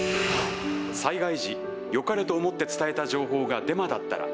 災害時、よかれと思って伝えた情報がデマだったら。